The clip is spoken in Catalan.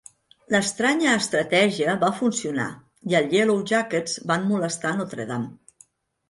L'estranya estratègia va funcionar i el Yellow Jackets van molestar Notre Dame.